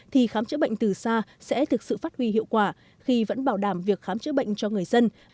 thì khám chữa bệnh từ xa sẽ thực sự phát huy hiệu quả khi vẫn bảo đảm việc khám chữa bệnh cho người dân